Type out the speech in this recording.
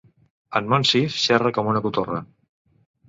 En Monsif xerra com una cotorra.